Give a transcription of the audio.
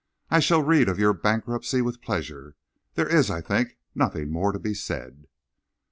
I shall read of your bankruptcy with pleasure. There is, I think, nothing more to be said."